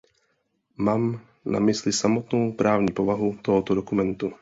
Mám na mysli samotnou právní povahu tohoto dokumentu.